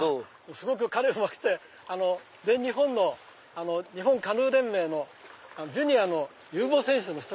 すごく彼うまくて全日本の日本カヌー連盟のジュニアの有望選手の１人。